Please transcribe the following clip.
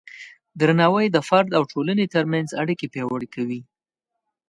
درناوی د فرد او ټولنې ترمنځ اړیکې پیاوړې کوي.